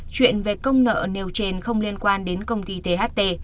chuyện về công nợ nêu trên không liên quan đến công ty tht